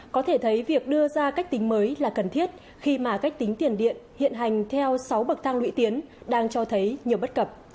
có thể thấy việc đưa ra cách tính mới là cần thiết khi mà cách tính tiền điện hiện hành theo sáu bậc thang lũy tiến đang cho thấy nhiều bất cập